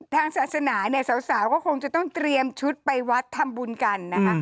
ทางศาสนาเนี่ยสาวก็คงจะต้องเตรียมชุดไปวัดทำบุญกันนะคะ